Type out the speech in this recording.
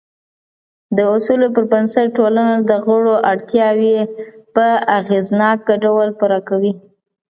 د اصولو پر بنسټ ټولنه د غړو اړتیاوې په اغېزناک ډول پوره کوي.